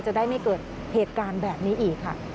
จะได้ไม่เกิดเหตุการณ์แบบนี้อีกค่ะ